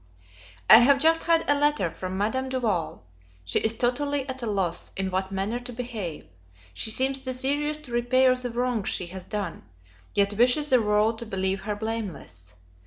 I have just had a letter from Madame Duval; she is totally at a loss in what manner to behave; she seems desirous to repair the wrongs she has done, yet wishes the world to believe her blameless.